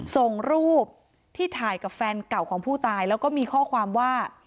ส่งรูปที่ถ่ายกับแฟนเก่าของผู้ตายแล้วก็มีข้อความว่า